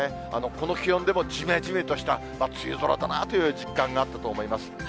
この気温でもじめじめとした梅雨空だなという実感があったと思います。